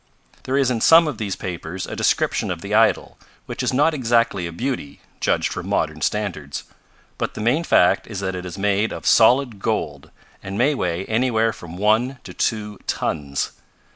"There is in some of these papers a description of the idol, which is not exactly a beauty, judged from modern standards. But the main fact is that it is made of solid gold, and may weigh anywhere from one to two tons."